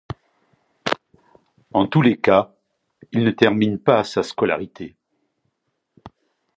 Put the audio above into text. En tous les cas, il ne termine pas sa scolarité.